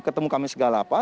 ketemu kami segala apa